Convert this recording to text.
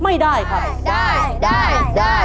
ทำได้หรือไม่ได้ค่ะ